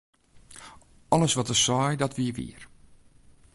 Alles wat er sei, dat wie wier.